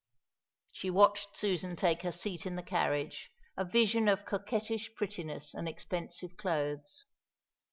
She watched Susan take her seat in the carriage a vision of coquettish prettiness and expensive clothes.